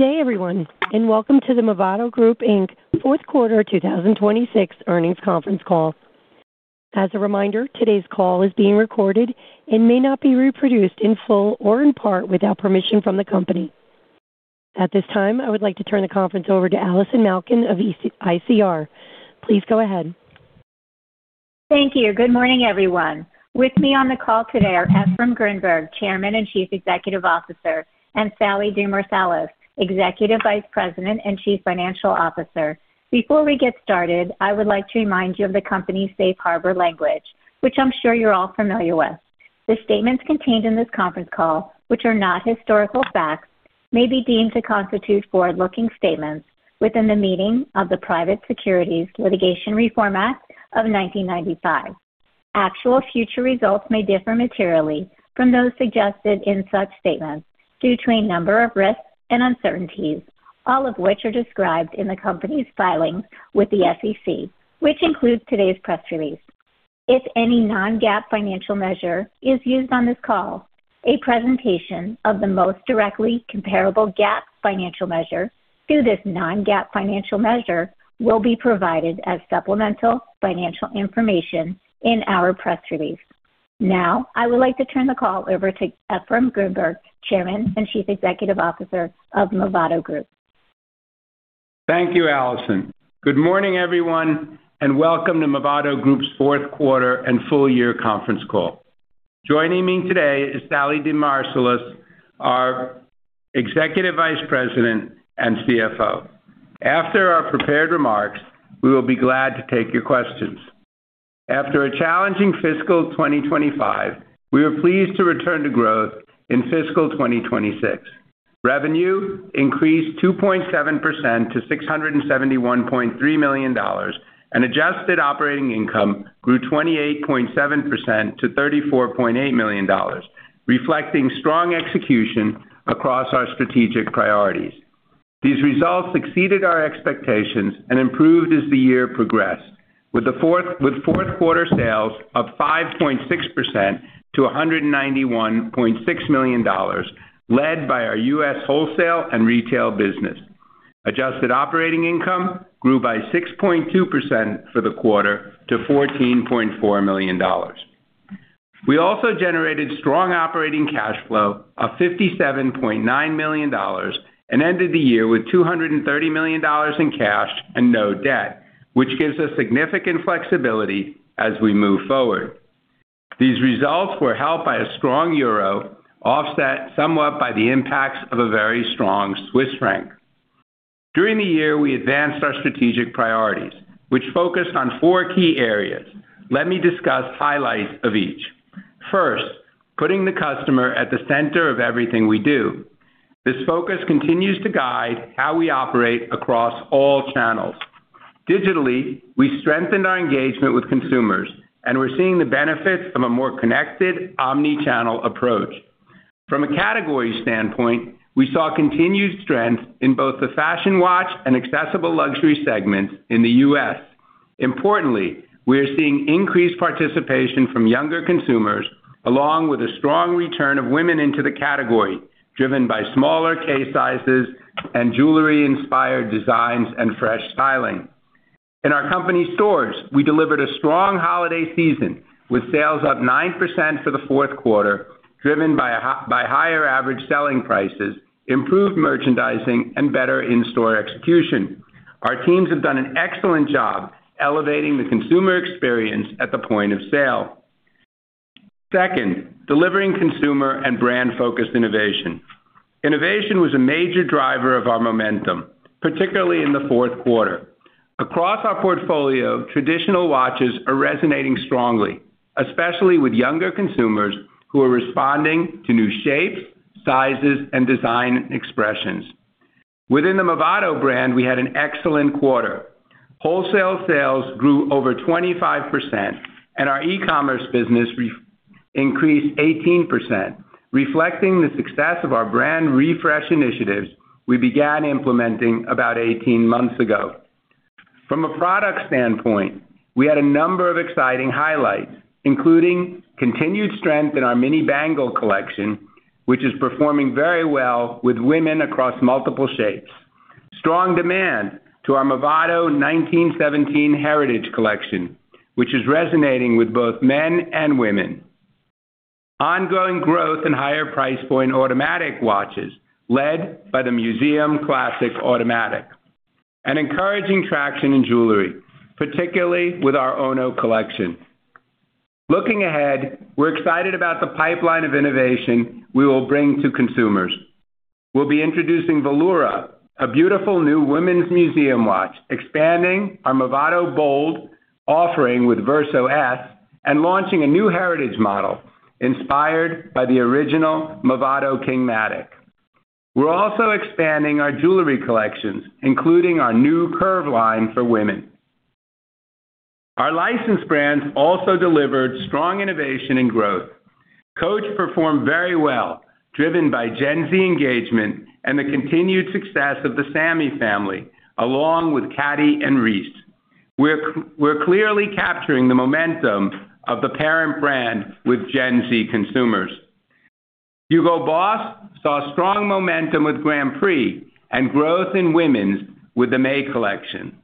Good day, everyone, and welcome to the Movado Group, Inc. Fourth Quarter 2026 Earnings Conference Call. As a reminder, today's call is being recorded and may not be reproduced in full or in part without permission from the company. At this time, I would like to turn the conference over to Allison Malkin of ICR. Please go ahead. Thank you. Good morning, everyone. With me on the call today are Efraim Grinberg, Chairman and Chief Executive Officer, and Sallie DeMarsilis, Executive Vice President and Chief Financial Officer. Before we get started, I would like to remind you of the company's safe harbor language, which I'm sure you're all familiar with. The statements contained in this conference call, which are not historical facts, may be deemed to constitute forward-looking statements within the meaning of the Private Securities Litigation Reform Act of 1995. Actual future results may differ materially from those suggested in such statements due to a number of risks and uncertainties, all of which are described in the company's filings with the SEC, which includes today's press release. If any non-GAAP financial measure is used on this call, a presentation of the most directly comparable GAAP financial measure to this non-GAAP financial measure will be provided as supplemental financial information in our press release. Now, I would like to turn the call over to Efraim Grinberg, Chairman and Chief Executive Officer of Movado Group. Thank you, Allison. Good morning, everyone, and welcome to Movado Group's fourth quarter and full year conference call. Joining me today is Sallie DeMarsilis, our Executive Vice President and CFO. After our prepared remarks, we will be glad to take your questions. After a challenging fiscal 2025, we were pleased to return to growth in fiscal 2026. Revenue increased 2.7% to $671.3 million, and adjusted operating income grew 28.7% to $34.8 million, reflecting strong execution across our strategic priorities. These results exceeded our expectations and improved as the year progressed, with fourth quarter sales up 5.6% to $191.6 million, led by our U.S. wholesale and retail business. Adjusted operating income grew by 6.2% for the quarter to $14.4 million. We also generated strong operating cash flow of $57.9 million and ended the year with $230 million in cash and no debt, which gives us significant flexibility as we move forward. These results were helped by a strong euro, offset somewhat by the impacts of a very strong Swiss franc. During the year, we advanced our strategic priorities, which focused on four key areas. Let me discuss highlights of each. First, putting the customer at the center of everything we do. This focus continues to guide how we operate across all channels. Digitally, we strengthened our engagement with consumers, and we're seeing the benefits of a more connected omni-channel approach. From a category standpoint, we saw continued strength in both the Fashion Watch and Accessible Luxury segments in the U.S. Importantly, we are seeing increased participation from younger consumers along with a strong return of women into the category, driven by smaller case sizes and jewelry-inspired designs and fresh styling. In our company stores, we delivered a strong holiday season, with sales up 9% for the fourth quarter, driven by higher average selling prices, improved merchandising, and better in-store execution. Our teams have done an excellent job elevating the consumer experience at the point of sale. Second, delivering consumer and brand-focused innovation. Innovation was a major driver of our momentum, particularly in the fourth quarter. Across our portfolio, traditional watches are resonating strongly, especially with younger consumers who are responding to new shapes, sizes, and design expressions. Within the Movado brand, we had an excellent quarter. Wholesale sales grew over 25%, and our e-commerce business increased 18%, reflecting the success of our brand refresh initiatives we began implementing about 18 months ago. From a product standpoint, we had a number of exciting highlights, including continued strength in our Mini Bangle collection, which is performing very well with women across multiple shapes. Strong demand for our Movado 1917 Heritage collection, which is resonating with both men and women. Ongoing growth in higher price point automatic watches led by the Museum Classic Automatic. Encouraging traction in jewelry, particularly with our Ono collection. Looking ahead, we're excited about the pipeline of innovation we will bring to consumers. We'll be introducing Velura, a beautiful new women's Museum watch, expanding our Movado BOLD offering with Verso S, and launching a new Heritage model inspired by the original Movado Kingmatic. We're also expanding our jewelry collections, including our new Curve line for women. Our licensed brands also delivered strong innovation and growth. Coach performed very well, driven by Gen Z engagement and the continued success of the Sammy family, along with Cady and Reese. We're clearly capturing the momentum of the parent brand with Gen Z consumers. HUGO BOSS saw strong momentum with Grand Prix and growth in women's with the May collection.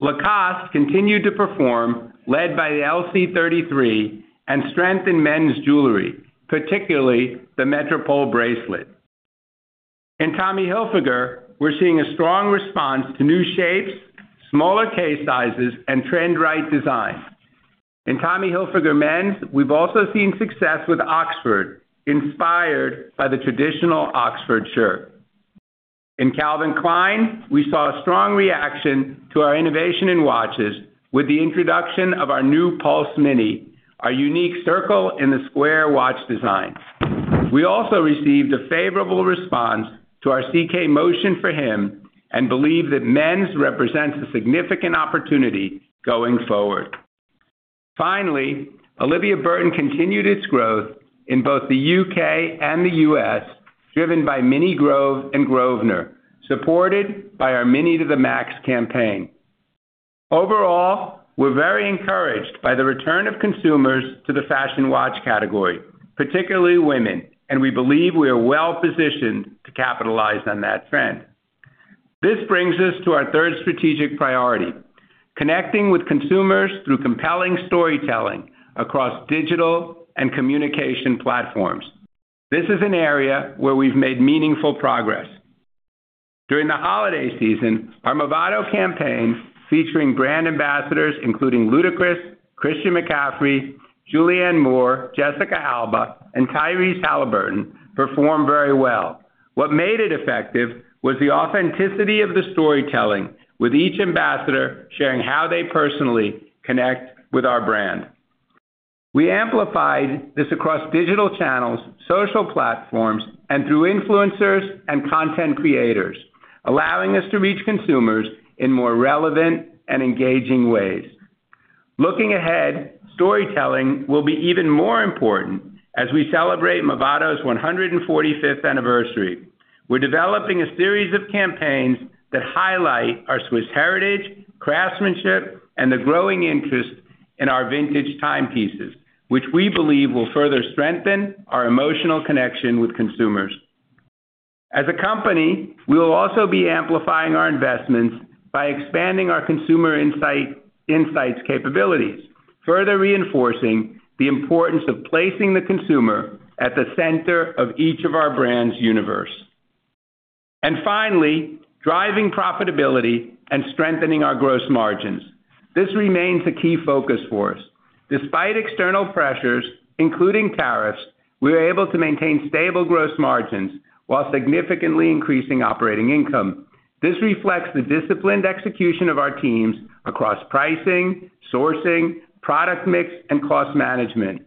Lacoste continued to perform, led by the LC33 and strength in men's jewelry, particularly the Metropole bracelet. In Tommy Hilfiger, we're seeing a strong response to new shapes, smaller case sizes, and trend-right design. In Tommy Hilfiger men's, we've also seen success with Oxford, inspired by the traditional Oxford shirt. In Calvin Klein, we saw a strong reaction to our innovation in watches with the introduction of our new Pulse Mini, our unique circle in the square watch design. We also received a favorable response to our CK Motion for Him and believe that men's represents a significant opportunity going forward. Finally, Olivia Burton continued its growth in both the U.K. and the U.S., driven by Mini Grove and Grosvenor, supported by our Mini to the Max campaign. Overall, we're very encouraged by the return of consumers to the fashion watch category, particularly women, and we believe we are well-positioned to capitalize on that trend. This brings us to our third strategic priority: connecting with consumers through compelling storytelling across digital and communication platforms. This is an area where we've made meaningful progress. During the holiday season, our Movado campaign, featuring brand ambassadors including Ludacris, Christian McCaffrey, Julianne Moore, Jessica Alba, and Tyrese Haliburton, performed very well. What made it effective was the authenticity of the storytelling, with each ambassador sharing how they personally connect with our brand. We amplified this across digital channels, social platforms, and through influencers and content creators, allowing us to reach consumers in more relevant and engaging ways. Looking ahead, storytelling will be even more important as we celebrate Movado's 145th anniversary. We're developing a series of campaigns that highlight our Swiss heritage, craftsmanship, and the growing interest in our vintage timepieces, which we believe will further strengthen our emotional connection with consumers. As a company, we will also be amplifying our investments by expanding our consumer insights capabilities, further reinforcing the importance of placing the consumer at the center of each of our brands' universe. Finally, driving profitability and strengthening our gross margins. This remains a key focus for us. Despite external pressures, including tariffs, we were able to maintain stable gross margins while significantly increasing operating income. This reflects the disciplined execution of our teams across pricing, sourcing, product mix, and cost management.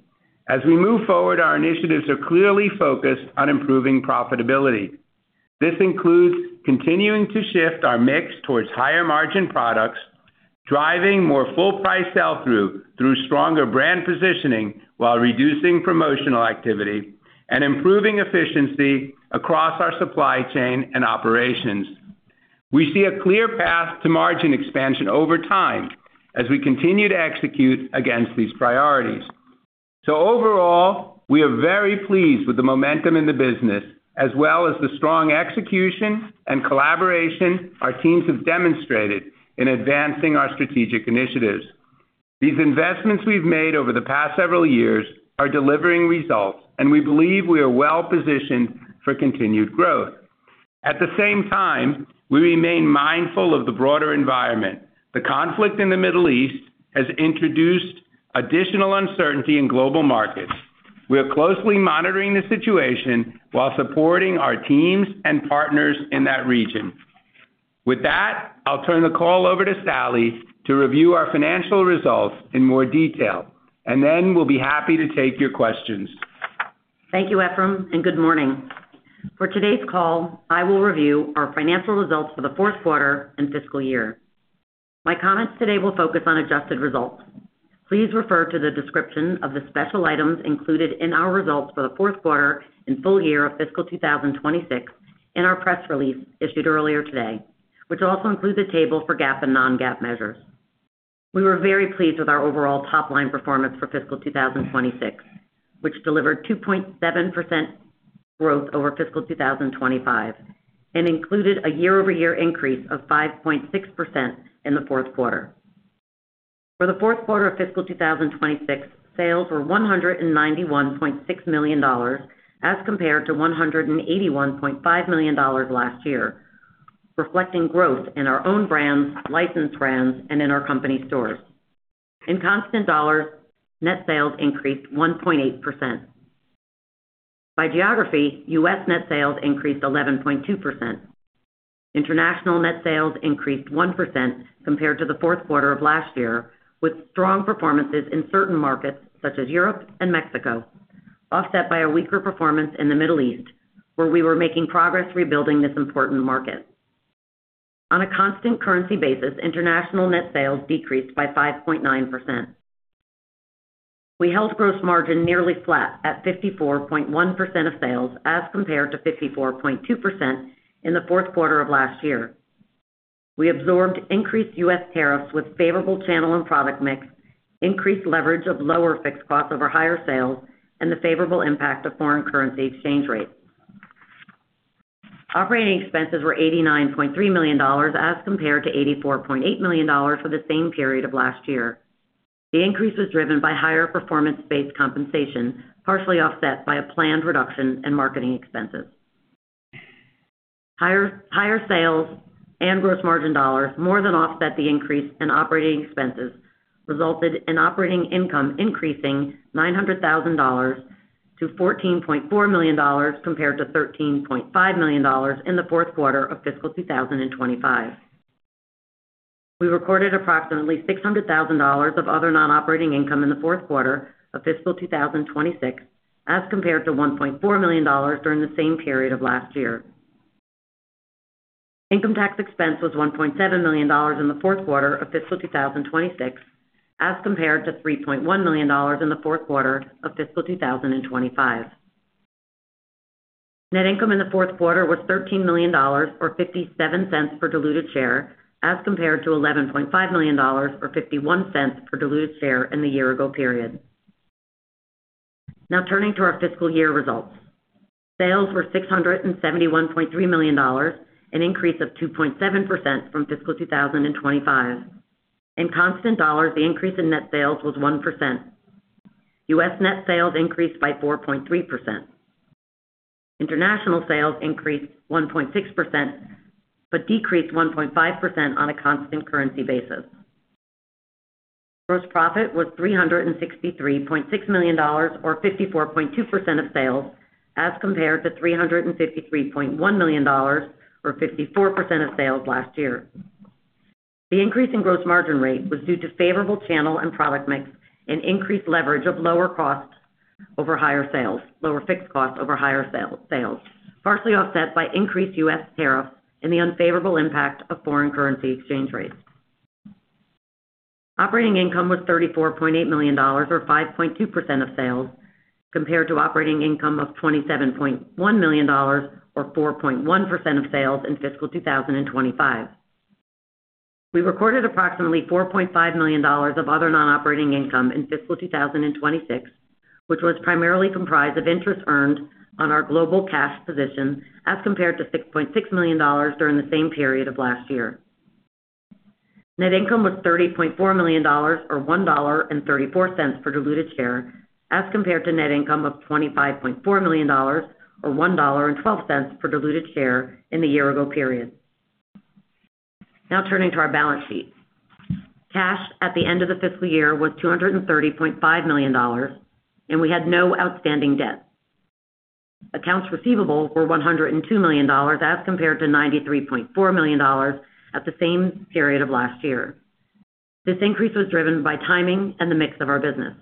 As we move forward, our initiatives are clearly focused on improving profitability. This includes continuing to shift our mix towards higher-margin products, driving more full price sell-through through stronger brand positioning while reducing promotional activity, and improving efficiency across our supply chain and operations. We see a clear path to margin expansion over time as we continue to execute against these priorities. Overall, we are very pleased with the momentum in the business as well as the strong execution and collaboration our teams have demonstrated in advancing our strategic initiatives. These investments we've made over the past several years are delivering results, and we believe we are well-positioned for continued growth. At the same time, we remain mindful of the broader environment. The conflict in the Middle East has introduced additional uncertainty in global markets. We are closely monitoring the situation while supporting our teams and partners in that region. With that, I'll turn the call over to Sallie to review our financial results in more detail, and then we'll be happy to take your questions. Thank you, Efraim, and good morning. For today's call, I will review our financial results for the fourth quarter and fiscal year. My comments today will focus on adjusted results. Please refer to the description of the special items included in our results for the fourth quarter and full year of fiscal 2026 in our press release issued earlier today, which also includes a table for GAAP and non-GAAP measures. We were very pleased with our overall top-line performance for fiscal 2026, which delivered 2.7% growth over fiscal 2025 and included a year-over-year increase of 5.6% in the fourth quarter. For the fourth quarter of fiscal 2026, sales were $191.6 million as compared to $181.5 million last year, reflecting growth in our own brands, licensed brands, and in our company stores. In constant dollars, net sales increased 1.8%. By geography, U.S. net sales increased 11.2%. International net sales increased 1% compared to the fourth quarter of last year, with strong performances in certain markets, such as Europe and Mexico, offset by a weaker performance in the Middle East, where we were making progress rebuilding this important market. On a constant currency basis, international net sales decreased by 5.9%. We held gross margin nearly flat at 54.1% of sales as compared to 54.2% in the fourth quarter of last year. We absorbed increased U.S. tariffs with favorable channel and product mix, increased leverage of lower fixed costs over higher sales, and the favorable impact of foreign currency exchange rates. Operating expenses were $89.3 million as compared to $84.8 million for the same period of last year. The increase was driven by higher performance-based compensation, partially offset by a planned reduction in marketing expenses. Higher sales and gross margin dollars more than offset the increase in operating expenses, resulted in operating income increasing $900,000 to $14.4 million compared to $13.5 million in the fourth quarter of fiscal 2025. We recorded approximately $600,000 of other non-operating income in the fourth quarter of fiscal 2026 as compared to $1.4 million during the same period of last year. Income tax expense was $1.7 million in the fourth quarter of fiscal 2026 as compared to $3.1 million in the fourth quarter of fiscal 2025. Net income in the fourth quarter was $13 million or $0.57 per diluted share as compared to $11.5 million or $0.51 per diluted share in the year ago period. Now turning to our fiscal year results. Sales were $671.3 million, an increase of 2.7% from fiscal 2025. In constant dollars, the increase in net sales was 1%. U.S. net sales increased by 4.3%. International sales increased 1.6%, but decreased 1.5% on a constant currency basis. Gross profit was $363.6 million or 54.2% of sales as compared to $353.1 million or 54% of sales last year. The increase in gross margin rate was due to favorable channel and product mix and increased leverage of lower fixed costs over higher sales, partially offset by increased U.S. tariffs and the unfavorable impact of foreign currency exchange rates. Operating income was $34.8 million or 5.2% of sales, compared to operating income of $27.1 million or 4.1% of sales in fiscal 2025. We recorded approximately $4.5 million of other non-operating income in fiscal 2026, which was primarily comprised of interest earned on our global cash position as compared to $6.6 million during the same period of last year. Net income was $30.4 million or $1.34 per diluted share as compared to net income of $25.4 million or $1.12 per diluted share in the year ago period. Now turning to our balance sheet. Cash at the end of the fiscal year was $230.5 million, and we had no outstanding debt. Accounts receivable were $102 million as compared to $93.4 million at the same period of last year. This increase was driven by timing and the mix of our business.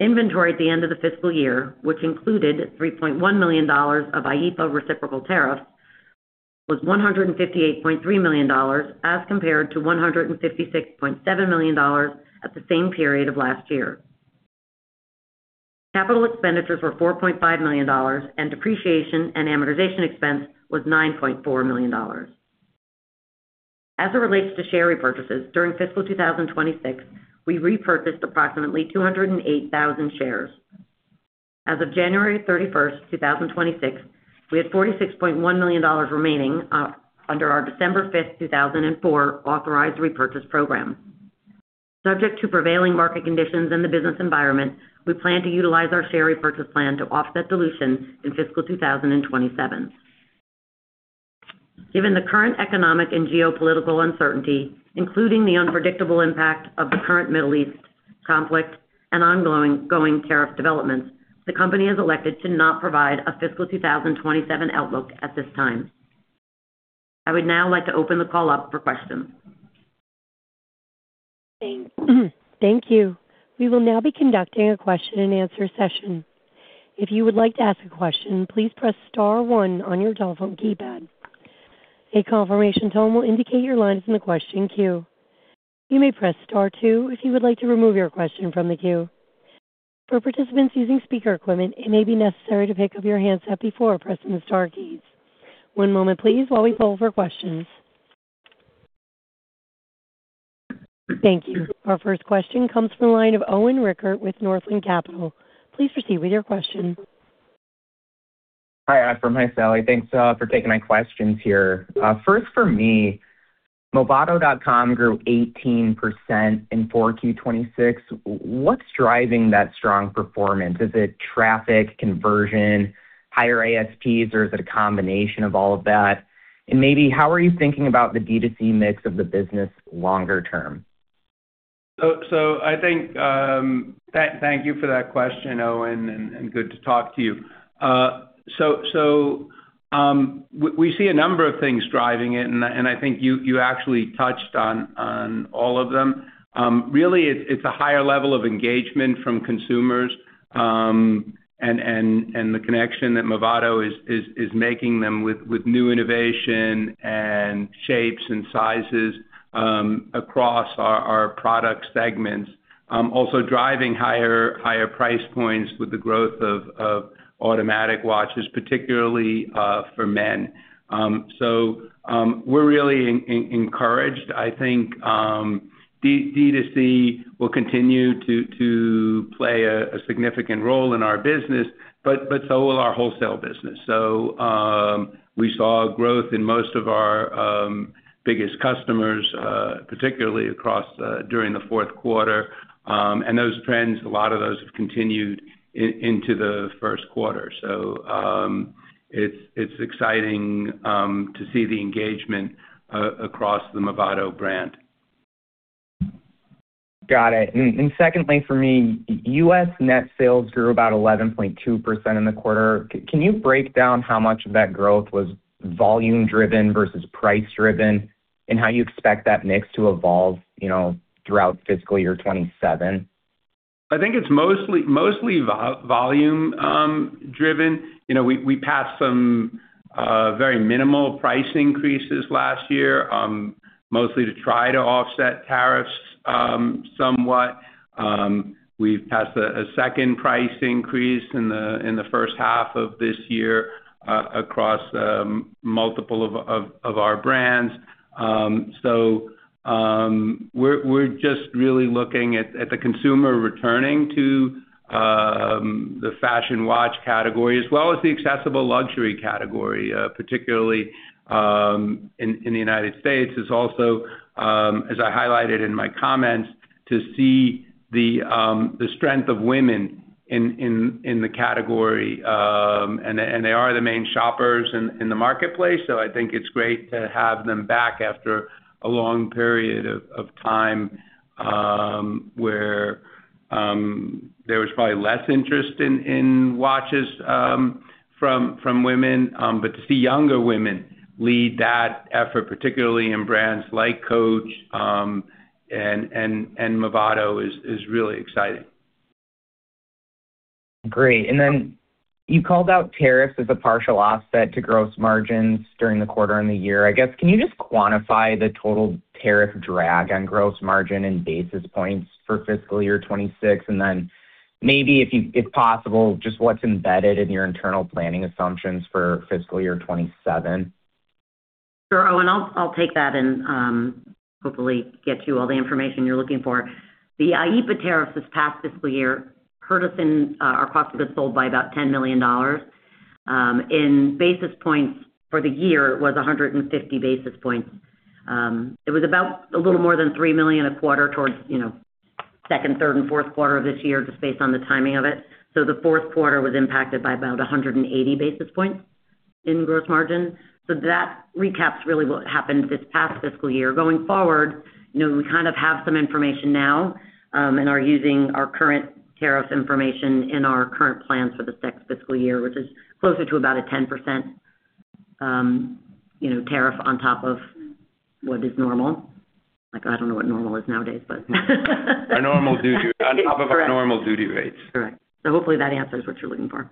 Inventory at the end of the fiscal year, which included $3.1 million of IEEPA reciprocal tariffs, was $158.3 million as compared to $156.7 million at the same period of last year. Capital expenditures were $4.5 million, and depreciation and amortization expense was $9.4 million. As it relates to share repurchases, during fiscal 2026, we repurchased approximately 208,000 shares. As of January 31st, 2026, we had $46.1 million remaining under our December 5th, 2004 authorized repurchase program. Subject to prevailing market conditions and the business environment, we plan to utilize our share repurchase plan to offset dilution in fiscal 2027. Given the current economic and geopolitical uncertainty, including the unpredictable impact of the current Middle East conflict and ongoing tariff developments, the company has elected to not provide a fiscal 2027 outlook at this time. I would now like to open the call up for questions. Thank you. We will now be conducting a question-and-answer session. If you would like to ask a question, please press star one on your telephone keypad. A confirmation tone will indicate your line is in the question queue. You may press star two if you would like to remove your question from the queue. For participants using speaker equipment, it may be necessary to pick up your handset before pressing the star keys. One moment please while we poll for questions. Thank you. Our first question comes from the line of Owen Rickert with Northland Capital Markets. Please proceed with your question. Hi, Efraim. Hi, Sallie. Thanks, for taking my questions here. First for me, movado.com grew 18% in 4Q26. What's driving that strong performance? Is it traffic, conversion, higher ASPs, or is it a combination of all of that? Maybe how are you thinking about the D2C mix of the business longer term? I think, thank you for that question, Owen, and good to talk to you. We see a number of things driving it, and I think you actually touched on all of them. Really, it's a higher level of engagement from consumers. The connection that Movado is making with them with new innovation and shapes and sizes across our product segments. Also driving higher price points with the growth of automatic watches, particularly for men. We're really encouraged. I think D2C will continue to play a significant role in our business, but so will our wholesale business. We saw growth in most of our biggest customers, particularly during the fourth quarter. Those trends, a lot of those have continued into the first quarter. It's exciting to see the engagement across the Movado brand. Got it. Secondly for me, U.S. net sales grew about 11.2% in the quarter. Can you break down how much of that growth was volume driven versus price driven, and how you expect that mix to evolve, you know, throughout fiscal year 2027? I think it's mostly volume driven. You know, we passed some very minimal price increases last year, mostly to try to offset tariffs, somewhat. We've passed a second price increase in the first half of this year, across multiple of our brands. We're just really looking at the consumer returning to the fashion watch category as well as the accessible luxury category, particularly in the United States. It's also, as I highlighted in my comments, to see the strength of women in the category. They are the main shoppers in the marketplace, so I think it's great to have them back after a long period of time where there was probably less interest in watches from women. To see younger women lead that effort, particularly in brands like Coach and Movado is really exciting. Great. You called out tariffs as a partial offset to gross margins during the quarter and the year. I guess, can you just quantify the total tariff drag on gross margin in basis points for fiscal year 2026? Maybe if possible, just what's embedded in your internal planning assumptions for fiscal year 2027. Sure, Owen. I'll take that and hopefully get you all the information you're looking for. The IEEPA tariffs this past fiscal year hurt us in our cost of goods sold by about $10 million. In basis points for the year, it was 150 basis points. It was about a little more than $3 million a quarter toward, you know, second, third and fourth quarter of this year, just based on the timing of it. The fourth quarter was impacted by about 180 basis points in gross margin. That recaps really what happened this past fiscal year. Going forward, you know, we kind of have some information now, and are using our current tariff information in our current plans for this next fiscal year, which is closer to about a 10%, you know, tariff on top of what is normal. Like, I don't know what normal is nowadays, but Our normal duty. On top of our normal duty rates. Correct. Hopefully that answers what you're looking for.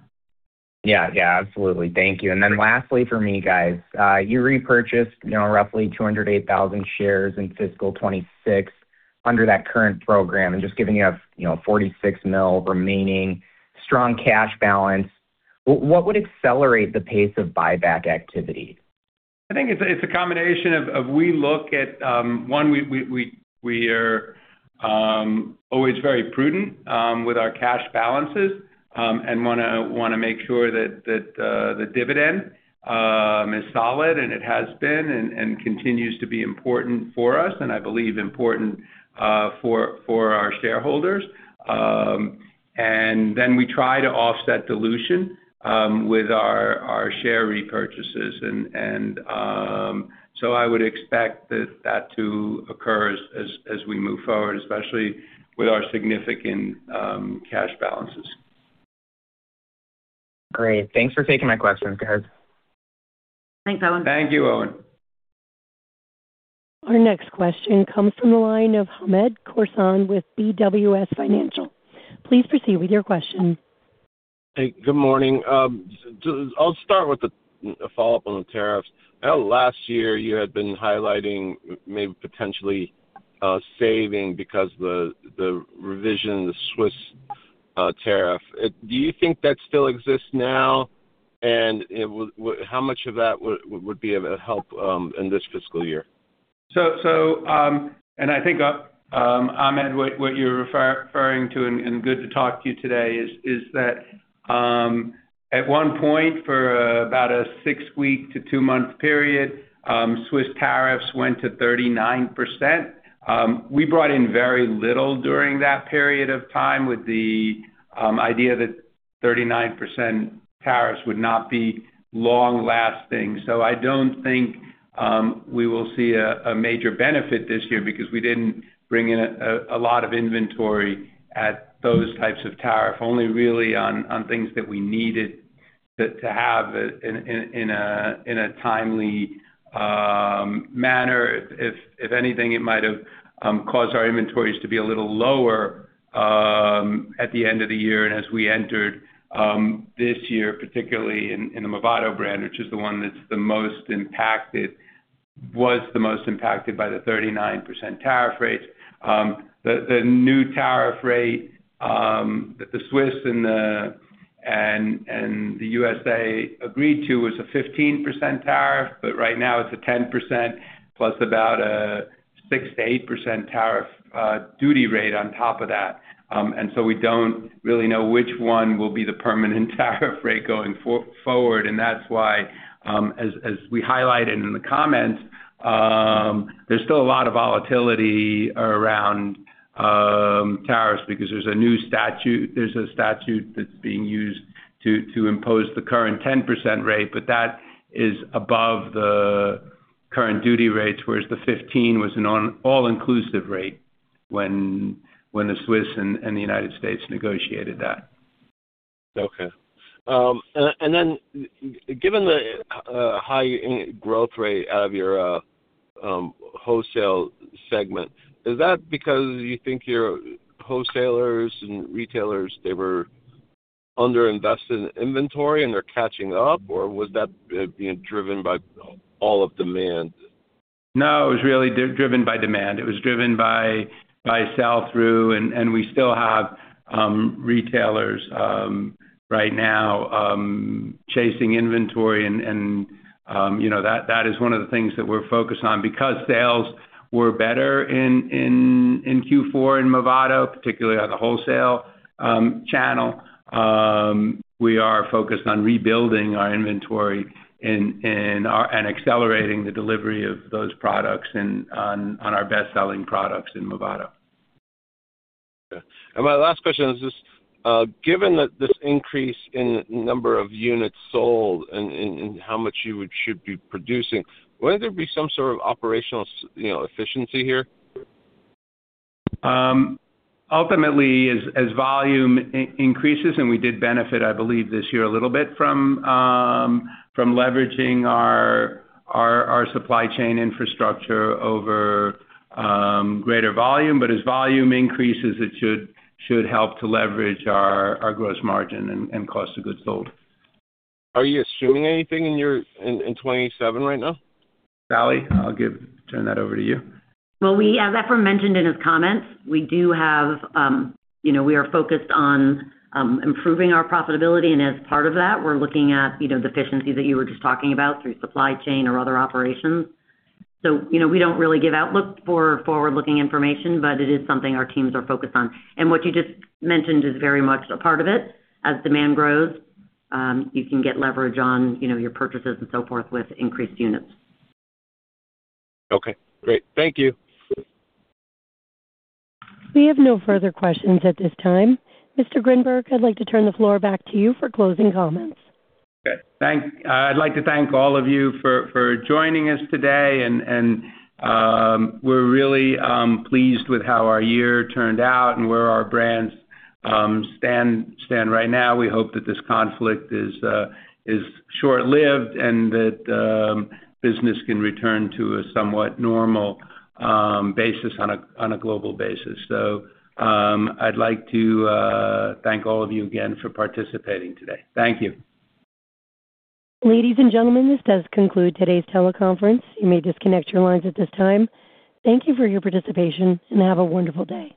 Yeah. Yeah. Absolutely. Thank you. Then lastly for me, guys, you repurchased, you know, roughly 208,000 shares in fiscal 2026 under that current program. Just giving you a, you know, $46 million remaining strong cash balance, what would accelerate the pace of buyback activity? I think it's a combination of. One, we are always very prudent with our cash balances and wanna make sure that the dividend is solid and it has been and continues to be important for us and I believe important for our shareholders. We try to offset dilution with our share repurchases. I would expect that too occurs as we move forward, especially with our significant cash balances. Great. Thanks for taking my questions, guys. Thanks, Owen. Thank you, Owen. Our next question comes from the line of Hamed Khorsand with BWS Financial. Please proceed with your question. Hey, good morning. I'll start with a follow-up on the tariffs. I know last year you had been highlighting maybe potentially saving because the revision, the Swiss tariff. Do you think that still exists now? How much of that would be of a help in this fiscal year? I think, Hamed, what you're referring to, and good to talk to you today, is that at one point, for about a six-week to two-month period, Swiss tariffs went to 39%. We brought in very little during that period of time with the idea that 39% tariffs would not be long lasting. I don't think we will see a major benefit this year because we didn't bring in a lot of inventory at those types of tariff. Only really on things that we needed to have in a timely manner. If anything, it might have caused our inventories to be a little lower at the end of the year and as we entered this year, particularly in the Movado brand, which is the one that's the most impacted by the 39% tariff rates. The new tariff rate that the Swiss and the USA agreed to was a 15% tariff, but right now it's a 10% plus about a 6%-8% tariff duty rate on top of that. We don't really know which one will be the permanent tariff rate going forward. That's why, as we highlighted in the comments, there's still a lot of volatility around tariffs because there's a new statute. There's a statute that's being used to impose the current 10% rate, but that is above the current duty rates, whereas the 15% was an all-inclusive rate when the Swiss and the United States negotiated that. Given the high growth rate out of your wholesale segment, is that because you think your wholesalers and retailers they were under-invested in inventory and they're catching up, or was that being driven by actual demand? No, it was really driven by demand. It was driven by sell-through. We still have retailers right now chasing inventory and you know, that is one of the things that we're focused on. Because sales were better in Q4 in Movado, particularly on the wholesale channel, we are focused on rebuilding our inventory and accelerating the delivery of those products and on our best-selling products in Movado. Okay. My last question is this. Given that this increase in number of units sold and how much you should be producing, wouldn't there be some sort of operational you know, efficiency here? Ultimately, as volume increases, we did benefit, I believe this year a little bit from leveraging our supply chain infrastructure over greater volume. As volume increases, it should help to leverage our gross margin and cost of goods sold. Are you assuming anything in your 2027 right now? Sallie, turn that over to you. Well, as Efraim mentioned in his comments, we do have, you know, we are focused on improving our profitability, and as part of that, we're looking at, you know, the efficiencies that you were just talking about through supply chain or other operations. You know, we don't really give outlook for forward-looking information, but it is something our teams are focused on. What you just mentioned is very much a part of it. As demand grows, you can get leverage on, you know, your purchases and so forth with increased units. Okay, great. Thank you. We have no further questions at this time. Mr. Grinberg, I'd like to turn the floor back to you for closing comments. Okay. I'd like to thank all of you for joining us today. We're really pleased with how our year turned out and where our brands stand right now. We hope that this conflict is short-lived, and that business can return to a somewhat normal basis on a global basis. I'd like to thank all of you again for participating today. Thank you. Ladies and gentlemen, this does conclude today's teleconference. You may disconnect your lines at this time. Thank you for your participation, and have a wonderful day.